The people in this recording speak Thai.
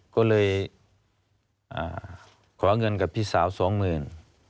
ก็เลยขอเงินกับพี่สาวสองหมื่น